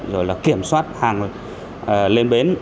rồi kiểm soát hàng lên bến